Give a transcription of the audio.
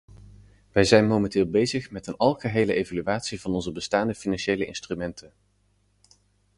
Wij zijn momenteel bezig met een algehele evaluatie van onze bestaande financiële instrumenten.